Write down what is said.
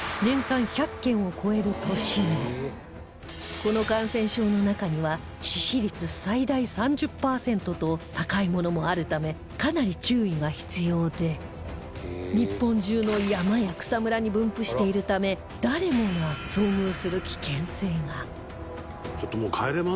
こここの感染症の中には致死率最大３０パーセントと高いものもあるためかなり注意が必要で日本中の山や草むらに分布しているため誰もが遭遇する危険性が